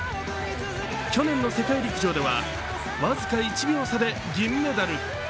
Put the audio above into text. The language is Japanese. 去年の世界陸上では、僅か１秒差で銀メダル。